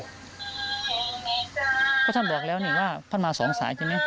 เพราะท่านบอกแล้วนี่ว่าท่านมาสองสายใช่ไหม